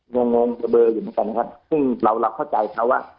เงินทำอย่างโดยเบลอยู่พวกกันซึ่งเราเข้าใจเขาว่า